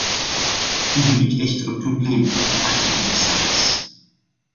Nu heb ik echter een probleem, geachte commissaris.